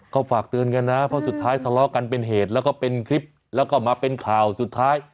ก็ฝากเตือนกันนะเพราะสุดท้ายทะเลาะกันเป็นเหตุแล้วก็เป็นคลิปแล้วก็มาเป็นข่าวสุดท้าย